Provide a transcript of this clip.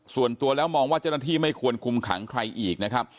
ส่วนตัวแล้วมองว่าเจ้าหน้าที่ไม่ควรคุมขังใครอีกนะครับ